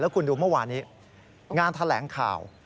คุณดูเมื่อวานนี้งานแถลงข่าว